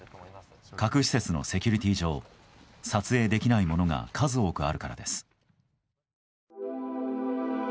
核施設のセキュリティー上撮影できないものが数多くあるからです。